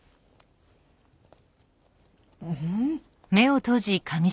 うん！